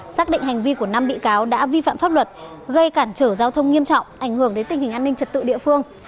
xác định hành vi của năm bị cáo đã vi phạm pháp luật gây cản trở giao thông nghiêm trọng ảnh hưởng đến tình hình an ninh trật tự địa phương